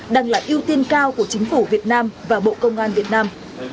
đang là ưu tiên cao của chính phủ việt nam và bộ công an việt nam